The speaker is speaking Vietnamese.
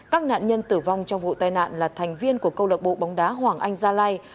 các nạn nhân tử vong trong vụ tai nạn là thành viên của câu lạc bộ bóng đá hoàng anh gia lai